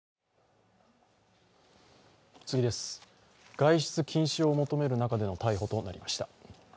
外出禁止を求める中での逮捕となりました。